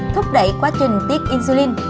thúc đẩy quá trình tiết insulin